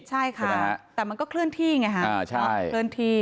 ใช่ค่ะแต่มันก็เคลื่อนที่ไงครับ